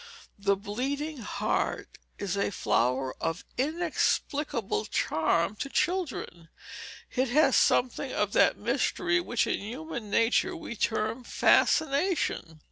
The bleeding heart is a flower of inexplicable charm to children; it has something of that mystery which in human nature we term fascination.